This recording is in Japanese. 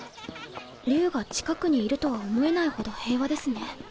竜が近くにいるとは思えないほど平和ですね。